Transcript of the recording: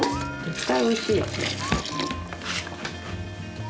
絶対おいしいよ。